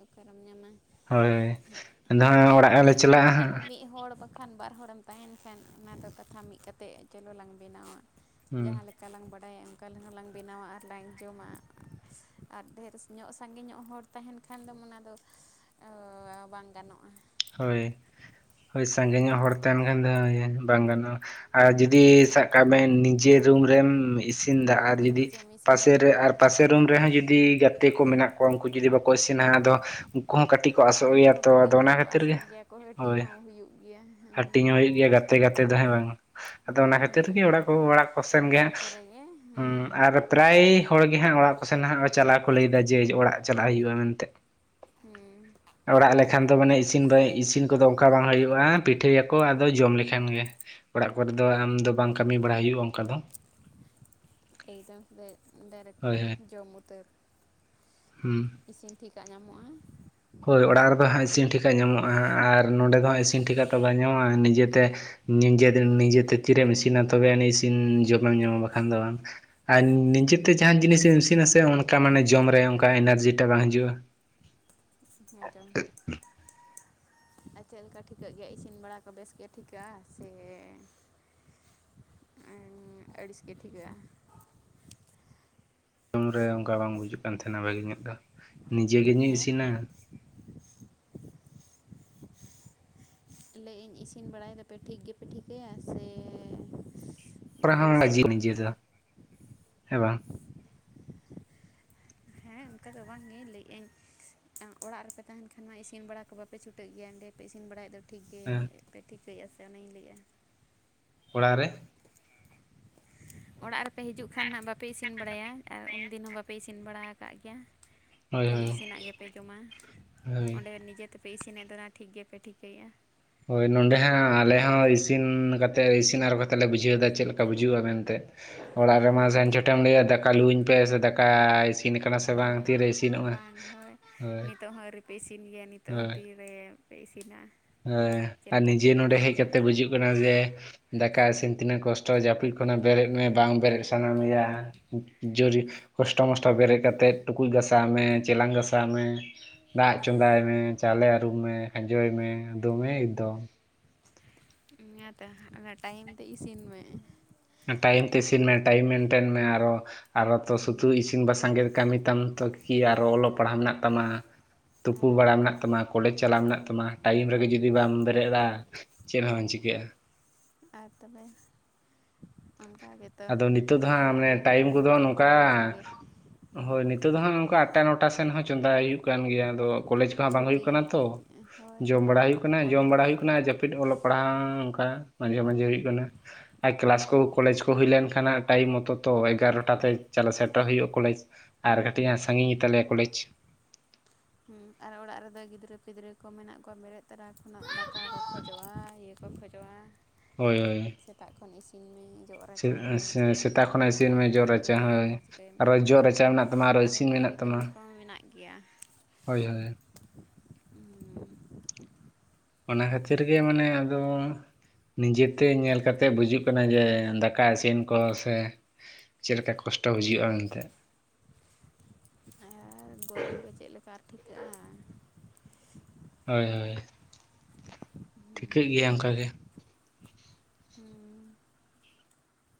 [SPEAKER 1] ᱚᱠᱟᱨᱮᱢ ᱧᱟᱢᱟ
[SPEAKER 2] ᱦᱳᱭ ᱟᱫᱚ ᱦᱟᱸᱜ ᱚᱲᱟᱜ
[SPEAKER 1] ᱾
[SPEAKER 2] ᱞᱮ
[SPEAKER 1] ᱡᱟᱭᱦᱳᱠ
[SPEAKER 2] ᱪᱟᱞᱟᱜᱼᱟ
[SPEAKER 1] ᱵᱟᱠᱷᱟᱱ ᱢᱤᱫ ᱦᱚᱲ ᱵᱟᱠᱷᱼ ᱠᱷᱟᱱ ᱵᱟᱨ ᱦᱚᱲᱮᱢ ᱛᱟᱦᱮᱱ ᱠᱷᱟᱱ ᱚᱱᱟ ᱫᱚ ᱠᱟᱛᱷᱟ ᱢᱤᱜ ᱠᱟᱛᱮ ᱪᱚᱞᱚ ᱞᱟᱝ ᱵᱮᱱᱟᱣᱟ
[SPEAKER 2] ᱦᱟᱸᱜ
[SPEAKER 1] ᱡᱟᱦᱟᱸ ᱞᱮᱠᱟ ᱾ ᱟᱠᱟᱞᱟᱝ ᱵᱟᱰᱟᱭᱟ ᱚᱱᱠᱟ ᱞᱟᱝ ᱵᱮᱱᱟᱣᱟ ᱟᱨᱞᱟᱝ ᱡᱚᱢᱟ ᱾ ᱟᱨ ᱰᱷᱮᱨ ᱧᱚᱜ, ᱥᱟᱸᱜᱮ ᱧᱚᱜ ᱦᱚᱲ ᱛᱟᱦᱮᱱ ᱠᱷᱟᱱ ᱫᱚᱢ ᱚᱱᱟᱫᱚ ᱵᱟᱝ ᱜᱟᱱᱚᱜᱼᱟ ᱾
[SPEAKER 2] ᱦᱳᱭ ᱦᱳᱭ ᱥᱟᱺᱜᱮ ᱧᱚᱜ ᱦᱚᱲ ᱛᱟᱦᱮᱱ ᱠᱷᱟᱱ ᱫᱚ ᱦᱟᱸᱜ ᱵᱟᱝ ᱜᱟᱱᱚᱜᱼᱟ ᱟᱨ ᱡᱩᱫᱤ
[SPEAKER 1] ᱦᱩᱸ
[SPEAKER 2] ᱥᱟᱵ ᱠᱟᱜ ᱵᱮᱱ ᱱᱤᱡᱮ ᱨᱩᱢ ᱨᱮᱢ ᱤᱥᱤᱱᱫᱟ ᱟᱨ
[SPEAKER 1] ᱦᱚᱲ
[SPEAKER 2] ᱡᱩᱫᱤ
[SPEAKER 1] ᱱᱤᱡᱮᱢ ᱤᱥᱤᱱᱮᱜᱼᱟ
[SPEAKER 2] ᱯᱟᱥᱮᱨᱮ ᱟᱨ
[SPEAKER 1] ᱮᱱᱠᱷᱟᱡ
[SPEAKER 2] ᱯᱟᱥᱮ
[SPEAKER 1] ᱫᱚ
[SPEAKER 2] ᱨᱩᱢ ᱨᱮᱦᱚᱸ ᱡᱩᱫᱤ ᱜᱟᱛᱮᱼ ᱛᱮ ᱠᱚ ᱢᱮᱱᱟᱜ ᱠᱚᱣᱟ ᱩᱝᱠᱩ ᱡᱩᱫᱤ ᱵᱟᱠᱚ ᱤᱥᱤᱱᱟ ᱟᱫᱚ ᱩᱝᱠᱩ ᱦᱚᱸ ᱠᱟᱹᱴᱤᱡ ᱠᱚ ᱟᱥᱚᱜ ᱜᱮᱭᱟ ᱛᱚ, ᱟᱫᱚ ᱚᱱᱟ ᱠᱷᱟᱛ
[SPEAKER 1] ᱚᱛᱚᱜ ᱜᱮᱭᱟ ᱠᱚ ᱦᱟᱹᱴᱤᱧ ᱦᱚᱸ ᱦᱩᱭᱩᱜ ᱜᱮᱭᱟ ᱦᱮᱸ
[SPEAKER 2] ᱦᱟᱹᱴᱤᱧ ᱦᱚᱸ ᱦᱩᱭᱩᱜ ᱜᱮᱭᱟ ᱜᱟᱛᱮ ᱜᱟᱛᱮ ᱫᱚ ᱦᱮᱸ ᱵᱟᱝ? ᱟᱫᱚ ᱚᱱᱟ
[SPEAKER 1] ᱦᱮᱸ
[SPEAKER 2] ᱠᱷᱟᱹᱛᱤᱨ ᱜᱮ
[SPEAKER 1] ᱦᱮᱸ
[SPEAKER 2] ᱚᱲᱟᱜ ᱠᱚ ᱚᱲᱟᱜ ᱠᱚ ᱥᱮᱱ ᱜᱮ
[SPEAKER 1] ᱚᱲᱟᱜ ᱠᱚᱨᱮ ᱜᱮ ᱦᱮᱸ
[SPEAKER 2] ᱦᱟᱸᱜ ᱟᱨ ᱯᱨᱟᱭ ᱦᱚᱲᱜᱮ ᱦᱟᱸᱜ ᱚᱲᱟᱜ ᱠᱚᱥᱱ ᱦᱟᱸᱜ ᱪᱟᱞᱟᱣ ᱠᱚ ᱞᱟᱹᱭ ᱫᱟ ᱡᱮ ᱚᱲᱟᱜ ᱪᱟᱞᱞᱟᱣ ᱦᱩᱭᱩᱜᱼᱟ ᱢᱮᱱᱛᱮ
[SPEAKER 1] ᱦᱮᱸ
[SPEAKER 2] ᱚᱲᱟᱜ ᱞᱮᱠᱷᱟᱱ ᱫᱚ ᱢᱟᱱᱮ ᱤᱥᱤᱱ ᱵᱟᱝ ᱤᱥᱤᱱ ᱠᱚᱫᱚ ᱚᱝᱠᱟ ᱵᱟᱝ ᱦᱩᱭᱩᱜᱼᱟ ᱵᱟᱝ ᱯᱤᱴᱷᱟᱹᱭᱟᱠᱚ ᱟᱫᱚ ᱡᱚᱢ ᱞᱮᱠᱷᱟᱱ ᱜᱮ ᱾ ᱚᱲᱟᱜ ᱠᱚᱨᱮ ᱫᱚ ᱟᱢ ᱫᱚ ᱵᱟᱝ ᱠᱟᱹᱢᱤ ᱵᱟᱲᱟ ᱦᱩᱭᱩᱜᱼᱟ ᱚᱱᱠᱟ ᱫᱚ
[SPEAKER 1] ᱮᱠᱫᱚᱢ ᱰᱟᱭᱨᱮᱠᱴ
[SPEAKER 2] ᱦᱳᱭ ᱦᱳᱭ
[SPEAKER 1] ᱡᱚᱢ ᱩᱛᱟᱨᱹ
[SPEAKER 2] ᱦᱩᱸ
[SPEAKER 1] ᱤᱥᱤᱱ ᱴᱷᱤᱠᱟ ᱧᱟᱢᱚᱜᱼᱟ
[SPEAKER 2] ᱦᱳᱭ ᱚᱲᱟᱜ ᱨᱮᱫᱚ ᱦᱟᱸᱜ ᱤᱥᱤᱱ ᱴᱷᱤᱠᱟᱜ ᱧᱟᱢᱚᱜᱼᱟ ᱟᱨ ᱱᱚᱸᱰᱮ ᱫᱚ ᱦᱟᱸᱜ ᱤᱥᱤᱱ ᱴᱷᱠᱟ ᱫᱚ ᱵᱟᱝ ᱧᱟᱢᱚᱜᱼᱟ ᱱᱤᱡᱮᱛᱮ ᱱᱤᱡᱮ ᱱᱤᱡᱮᱛᱮ ᱛᱤᱨᱮᱢ ᱤᱥᱤᱱᱟ ᱛᱚᱵᱮ ᱟᱹᱱᱤᱡ ᱤᱥᱤᱱ ᱡᱚᱢᱮᱢ ᱧᱟᱢᱟ ᱵᱟᱠᱷᱟᱱ ᱫᱚ ᱵᱟᱝ ᱟᱨ ᱱᱤᱡᱮᱛᱮ ᱡᱟᱦᱟᱱ ᱡᱤᱱᱤᱥᱢ ᱤᱥᱤᱱᱟᱥᱮ ᱚᱱᱠᱟ ᱢᱟᱱᱮ ᱡᱚᱢ ᱨᱮ ᱚᱱᱠᱟ ᱮᱱᱟᱨᱡᱤᱴᱟ ᱵᱟᱝ ᱦᱤᱡᱩᱜᱼᱟ
[SPEAKER 1] ᱦᱮ ᱪᱚᱝ ᱟᱨ ᱪᱮᱫ ᱞᱮᱠᱟ ᱴᱷᱤᱠᱟᱹᱜ ᱜᱮᱭᱟ ᱤᱥᱤᱱ ᱵᱟᱲᱟ ᱠᱚ ᱵᱮᱥ ᱜᱮ ᱴᱷᱤᱠᱟᱹᱜᱼᱟ ᱥᱮ ᱟᱨ ᱟᱹᱲᱤᱥ ᱜᱮ ᱴᱷᱤᱠᱟᱹᱜᱼᱟ
[SPEAKER 2] ᱨᱩᱢ ᱨᱮ ᱚᱱᱠᱟ ᱵᱟᱝ ᱵᱩᱡᱩᱜ ᱠᱟᱱ ᱛᱟᱦᱮᱱᱟ ᱵᱷᱟᱜᱮ ᱧᱚᱜ ᱫᱚ ᱱᱤᱡᱮ ᱜᱮ ᱤᱧ
[SPEAKER 1] ᱦᱮᱸ
[SPEAKER 2] ᱤᱥᱤᱱᱟ
[SPEAKER 1] ᱞᱮ ᱤᱧ ᱤᱥᱤᱱ ᱵᱟᱲᱟᱭ ᱫᱟᱯᱮ ᱴᱷᱤᱠ ᱜᱮᱯᱮ ᱴᱷᱤᱠᱟᱹᱭᱟ ᱥᱮ ᱟᱹᱲᱤᱥ
[SPEAKER 2] [unintelligible]
[SPEAKER 1] ᱦᱮᱸ ᱚᱱᱠᱟ ᱫᱚ ᱵᱟᱝᱜᱼᱮ ᱞᱟᱹᱭ ᱟᱹᱧ ᱚᱲᱟᱜ ᱨᱮᱯᱮ ᱛᱟᱦᱮᱱ ᱠᱷᱟᱱ ᱢᱟ ᱤᱥᱤᱱ ᱵᱟᱲᱟ ᱠᱚ ᱵᱟᱯᱮ ᱪᱷᱩᱴᱟᱹᱜ ᱜᱮᱭᱟ ᱚᱸᱰᱮ ᱯᱮ ᱤᱥᱤᱱ ᱵᱟᱲᱟᱭᱮᱫ ᱫᱚ ᱴᱷᱤᱠ ᱜᱮ
[SPEAKER 2] ᱦᱮᱸ
[SPEAKER 1] ᱯᱮ ᱴᱷᱤᱠᱟᱹᱭᱮᱜᱼᱟ ᱥᱮ ᱚᱱᱟᱧ ᱞᱟᱹᱭᱮᱫᱼᱟ
[SPEAKER 2] ᱚᱲᱟᱜ ᱨᱮ [inaudible]
[SPEAKER 1] ᱚᱲᱟᱜ ᱨᱮᱯᱮ ᱦᱤᱡᱩᱜ ᱠᱷᱟᱱ ᱦᱟᱸᱜ ᱵᱟᱯᱮ ᱤᱥᱤᱱ ᱵᱟᱲᱟᱭᱟ ᱟᱨ ᱩᱱᱫᱤᱱ ᱦᱚᱸ ᱵᱟᱯᱮ ᱤᱥᱤᱱ ᱵᱟᱲᱟ ᱠᱟᱜ ᱜᱮᱭᱟ
[SPEAKER 2] ᱦᱳᱭ
[SPEAKER 1] ᱛᱟᱦᱚᱞᱮ
[SPEAKER 2] ᱦᱳᱭ
[SPEAKER 1] ᱤᱥᱤᱱᱟᱜ ᱜᱮᱯᱮ ᱡᱚᱢᱟ ᱾
[SPEAKER 2] ᱦᱳᱭ
[SPEAKER 1] ᱚᱸᱰᱮ ᱱᱤᱡᱮ ᱛᱮᱯᱮ ᱤᱥᱤᱱᱮᱫ ᱛᱟᱦᱮ ᱴᱷᱤᱠ ᱜᱮᱯᱮ ᱴᱷᱤᱠᱟᱹᱭᱟ
[SPEAKER 2] ᱦᱳᱭ ᱱᱚᱸᱰᱮ ᱦᱟᱸᱜ ᱟᱞᱮ ᱦᱚᱸ ᱤᱥᱤᱱ ᱠᱟᱛᱮᱫ ᱤᱥᱤᱱ ᱟᱨᱚ ᱠᱟᱛᱮᱫ ᱞᱮ ᱵᱩᱡᱷᱟᱹᱣ ᱮᱫᱟ ᱪᱮᱫ ᱞᱮᱠᱟ ᱵᱩᱡᱩᱜᱼᱟ ᱢᱮᱱᱛᱮ ᱚᱲᱟᱜ
[SPEAKER 1] ᱦᱳᱭ
[SPEAKER 2] ᱨᱮᱢᱟ
[SPEAKER 1] ᱦᱳᱭ
[SPEAKER 2] ᱥᱮᱱ
[SPEAKER 1] ᱦᱳᱭ
[SPEAKER 2] ᱪᱷᱚᱴᱮᱢ ᱞᱟᱹᱭᱟ ᱫᱟᱠᱟ ᱞᱩᱣᱟᱹᱧ ᱯᱮ ᱥᱮ ᱫᱟᱠᱟ ᱤᱥᱤᱱ ᱟᱠᱟᱱᱟ ᱥᱮ ᱵᱟᱝ ᱛᱤᱨᱮ ᱤᱥᱤ
[SPEAKER 1] ᱵᱟᱝ ᱦᱳᱭ ᱱᱤᱛᱚᱜ ᱦᱚᱸ ᱟᱹᱣᱨᱤᱯᱮ ᱤᱥᱤᱱ ᱜᱮᱭᱟ ᱱᱤᱛᱚᱜ ᱦᱚᱸ ᱛᱤᱨᱮᱯᱮ ᱤᱥᱤᱱᱟ
[SPEAKER 2] ᱮᱸ
[SPEAKER 1] ᱪᱮᱫ
[SPEAKER 2] ᱟᱨ
[SPEAKER 1] ᱞᱮᱠᱟ
[SPEAKER 2] ᱱᱤᱡᱮ
[SPEAKER 1] ᱴᱷᱤᱠᱟᱹᱜ
[SPEAKER 2] ᱱᱚᱰᱮ
[SPEAKER 1] ᱠᱟᱱ
[SPEAKER 2] ᱦᱮᱡ
[SPEAKER 1] ᱜᱮᱭᱟ
[SPEAKER 2] ᱠᱟᱛᱮ ᱵᱩᱡᱩᱜ ᱠᱟᱱᱟ ᱡᱮ ᱫᱟᱠᱟ ᱤᱥᱤᱱ ᱛᱤᱱᱟᱹᱜ ᱠᱚᱥᱴᱚ ᱡᱟᱹᱯᱤᱫ ᱠᱷᱚᱱᱟᱜ ᱵᱮᱨᱮᱫ ᱢᱮ ᱵᱟᱝ ᱵᱮᱨᱮᱫ ᱥᱟᱱᱟ ᱢᱮᱭᱟ᱾ ᱡᱳᱨᱤ ᱠᱚᱥᱴᱚ ᱢᱚᱥᱴᱚ ᱵᱮᱨᱮᱫ ᱠᱟᱛᱮᱜ ᱴᱩᱠᱩᱡ ᱜᱟᱥᱟᱣ ᱢᱮ ᱪᱮᱞᱟᱝ ᱜᱟᱥᱟᱣ ᱢᱮ ᱫᱟᱜ ᱪᱚᱸᱫᱟᱭ ᱢᱮ, ᱪᱟᱣᱞᱮ ᱟᱹᱨᱩᱵ ᱢᱮ, ᱠᱷᱡᱟᱡᱚᱭ ᱢᱮ, ᱫᱚᱢᱮ ᱮᱠᱫᱚᱢ᱾
[SPEAKER 1] ᱚᱱᱟ ᱛᱮ ᱟᱫᱚ ᱴᱟᱭᱤᱢ ᱛᱮ ᱤᱥᱤᱱ ᱢᱮ
[SPEAKER 2] ᱴᱟᱭᱤᱢ ᱛᱮ ᱤᱥᱤᱱ ᱢᱮ ᱴᱟᱭᱤᱢ ᱢᱮᱱᱴᱮᱱ ᱢᱮ ᱟᱨᱚ ᱟᱨᱚ ᱛᱚ ᱥᱩᱛᱩ
[SPEAKER 1] ᱦᱮᱸ
[SPEAKER 2] ᱤᱥᱤᱱ ᱵᱟᱥᱟᱝᱜᱼᱮ ᱠᱟᱹᱢᱤ ᱛᱟᱢ ᱛᱚ ᱠᱤ ᱟᱨᱚ ᱚᱞᱚᱜ ᱯᱟᱲᱦᱟᱜ ᱢᱮᱱᱟᱜ ᱛᱟᱢᱟ ᱛᱩᱯᱩ
[SPEAKER 1] ᱟᱫᱚ
[SPEAKER 2] ᱵᱟᱲᱟ ᱢᱮᱱᱟᱜ ᱛᱟᱢᱟ ᱠᱚᱞᱮᱡᱽ ᱪᱟᱞᱟᱜ ᱢᱮᱱᱟᱜ ᱛᱟᱢᱟ ᱴᱟᱭᱤᱢ ᱨᱮᱜᱮ ᱡᱩᱫᱤ ᱵᱟᱢ ᱵᱮᱨᱮᱫᱟ ᱪᱮᱫ ᱦᱚᱸ ᱵᱟᱝ ᱪᱤᱠᱟᱹᱜᱼᱟ
[SPEAKER 1] ᱟᱨ ᱛᱚᱵᱮ ᱚᱱᱠᱟ ᱜᱮ
[SPEAKER 2] ᱟᱫᱚ ᱱᱤᱛᱚᱜ ᱫᱚ ᱦᱟᱸᱜ ᱢᱟᱱᱮ ᱴᱟᱭᱤᱢ ᱠᱚᱫᱚ
[SPEAKER 1] ᱠᱚ
[SPEAKER 2] ᱱᱚᱝᱠᱟ
[SPEAKER 1] ᱚᱱᱠᱟᱜᱮ
[SPEAKER 2] ᱦᱳᱭ ᱱᱤᱛᱳ ᱫᱚ ᱦᱟᱸᱜ ᱱᱚᱝᱠᱟ ᱟᱴᱴᱟ ᱱᱚᱴᱟ ᱥᱮᱱ ᱦᱚᱸ ᱪᱚᱸᱫᱟᱭ ᱦᱩᱭᱩᱜ ᱠᱟᱱ ᱜᱮᱭᱟ ᱟᱫᱚ ᱠᱚᱞᱮᱡᱽ ᱠᱚᱦᱚᱸ ᱵᱟᱝ ᱦᱩᱭᱩᱜ
[SPEAKER 1] ᱪᱷᱩᱴᱤ
[SPEAKER 2] ᱠᱟᱱᱟ ᱛᱚ
[SPEAKER 1] ᱦᱳᱭ
[SPEAKER 2] ᱡᱚᱢ ᱵᱟᱲᱟ
[SPEAKER 1] ᱦᱳᱭ
[SPEAKER 2] ᱦᱩᱭᱩᱜ ᱠᱟᱱᱟ ᱡᱚᱢ
[SPEAKER 1] ᱚᱱᱟ
[SPEAKER 2] ᱵᱟᱲᱟ ᱦᱩᱭᱩᱜ
[SPEAKER 1] ᱜᱮᱥᱮ
[SPEAKER 2] ᱠᱟᱱᱟ ᱟᱨ ᱡᱟᱹ ᱚᱞᱚᱜ ᱯᱟᱲᱦᱟᱣ ᱚᱝᱠᱟ ᱢᱟᱡᱷᱮ ᱢᱟᱡᱷᱮ ᱦᱩᱭᱩᱜ ᱠᱟᱱᱟ ᱟᱨ ᱠᱞᱟᱥ ᱠᱚ ᱠᱚ ᱠᱚᱞᱮᱡᱽ ᱠᱚ ᱦᱩᱭ ᱞᱮᱱ ᱠᱷᱟᱱᱟᱜ ᱴᱟᱭᱤᱢ ᱢᱚᱛᱚ ᱛᱚ ᱮᱜᱟᱨᱚᱴᱟ ᱛᱮ ᱪᱟᱞᱟᱜ ᱥᱮᱴᱮᱨ ᱦᱩᱭᱩᱜᱼᱟ ᱠᱚᱞᱮᱡᱽ ᱟᱨ ᱠᱟᱹᱴᱤᱡ ᱦᱟᱸᱜ ᱥᱟᱺᱜᱤᱧ ᱜᱮᱛᱟᱞᱮᱭᱟ ᱠᱚᱞᱮᱡᱽ
[SPEAKER 1] ᱦᱩᱸ ᱟᱨ ᱚᱲᱟᱜ ᱨᱮᱫᱚ ᱜᱤᱫᱽᱨᱟᱹ ᱯᱤᱫᱽᱨᱟᱹ ᱠᱚ ᱢᱮᱱᱟᱜ ᱠᱚᱣᱟ ᱵᱮᱨᱮᱫ ᱛᱚᱨᱟ ᱠᱷᱚᱱᱟᱜ ᱫᱟᱠᱟ ᱠᱷᱚᱡᱚᱜᱼᱟ ᱤᱭᱟᱹ ᱠᱚ ᱠᱷᱚᱡᱚᱜᱼᱟ
[SPEAKER 2] ᱦᱳᱭ ᱦᱳᱭ
[SPEAKER 1] ᱥᱮᱛᱟᱜ ᱠᱷᱚᱱ ᱤᱥᱤᱱᱢᱤ ᱡᱚᱜᱼᱟ ᱨᱟᱪᱟᱣ ᱢᱮ ᱪᱮᱫ
[SPEAKER 2] ᱥᱮᱛᱟᱜ
[SPEAKER 1] ᱪᱤᱠᱟᱹᱭ ᱢᱮ
[SPEAKER 2] ᱠᱷᱚᱱᱟᱜ ᱤᱥᱤᱱ
[SPEAKER 1] ᱫᱟᱜ
[SPEAKER 2] ᱡᱚᱜ
[SPEAKER 1] ᱟᱹᱜᱩᱭ ᱢᱮ
[SPEAKER 2] ᱨᱟᱪᱟ ᱦᱳᱭ
[SPEAKER 1] ᱚᱱᱟ ᱪᱤᱠᱟᱹᱭ ᱢᱮ
[SPEAKER 2] ᱟᱨᱚ
[SPEAKER 1] ᱱᱚᱣᱟ
[SPEAKER 2] ᱡᱚᱜ ᱨᱟᱪᱟ
[SPEAKER 1] ᱪᱤᱠᱟᱹᱭ ᱢᱮ
[SPEAKER 2] ᱢᱮᱱᱟᱜ ᱛᱟᱢᱟ ᱟᱨᱚ
[SPEAKER 1] ᱟᱨᱦᱚᱸ
[SPEAKER 2] ᱤᱥᱤᱱ ᱢᱮᱱᱟᱜ
[SPEAKER 1] ᱵᱟᱨᱮ
[SPEAKER 2] ᱛᱟᱢᱟ
[SPEAKER 1] ᱠᱟᱹᱢᱤ ᱠᱚᱦᱚᱸ ᱢᱮᱱᱟᱜ ᱜᱮᱭᱟ᱾
[SPEAKER 2] ᱦᱳᱭ ᱦᱳᱭ
[SPEAKER 1] [inaudible]
[SPEAKER 2] ᱚᱱᱟ ᱠᱷᱟᱹᱛᱤᱨ ᱜᱮ ᱢᱟᱱᱮ ᱟᱫᱚ ᱱᱤᱡᱮᱛᱮ ᱧᱮᱞ ᱠᱟᱛᱮ ᱵᱩᱡᱩᱜ ᱠᱟᱱᱟ ᱡᱮ ᱫᱟᱠᱟ ᱤᱥᱤᱱ ᱠᱚ ᱥᱮ ᱪᱮᱫ ᱞᱮᱠᱟ ᱠᱚᱥᱴᱚ ᱵᱩᱡᱩᱜᱼᱟ ᱢᱮᱱᱛᱮ
[SPEAKER 1] ᱟᱨ ᱜᱚᱨᱚᱢ ᱨᱮ ᱪᱮᱫ ᱞᱮᱠᱟ ᱟᱨ ᱴᱷᱤᱠᱟᱹᱜᱼᱟ
[SPEAKER 2] ᱦᱳᱭ ᱦᱳᱭ ᱴᱷᱤᱠᱟᱹᱜ ᱜᱮᱭᱟ ᱚᱱᱠᱟ ᱜᱮ
[SPEAKER 1] ᱦᱩᱸ